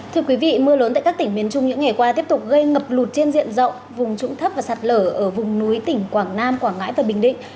thưa quý vị mưa lớn tại các tỉnh miền trung những ngày qua tiếp tục gây ngập lụt trên diện rộng vùng trũng thấp và sạt lở ở vùng núi tỉnh quảng nam quảng ngãi và bình định